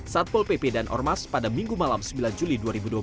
satpol pp dan ormas pada minggu malam sembilan juli dua ribu dua puluh